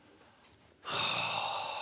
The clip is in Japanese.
はあ。